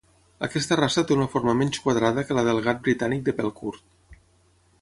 Aquesta raça té una forma menys quadrada que la del gat britànic de pèl curt.